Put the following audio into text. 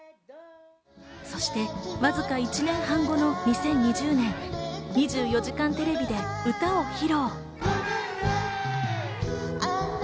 そしてわずか１年半後の２０２０年、『２４時間テレビ』で歌を披露。